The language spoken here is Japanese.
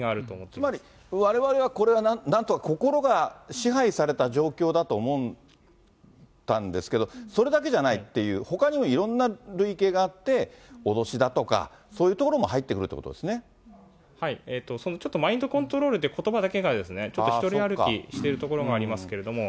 つまり、われわれはこれは、心が支配された状況だと思ったんですけど、それだけじゃないっていう、ほかにもいろんな累計があって、脅しだとか、そういうところも入ちょっとマインドコントロールということばだけが、ちょっと独り歩きしてるところもありますけれども、